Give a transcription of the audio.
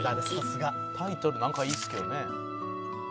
「タイトルなんかいいっすけどね」